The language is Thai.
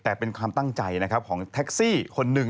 แต่เป็นความตั้งใจนะครับของแท็กซี่คนหนึ่ง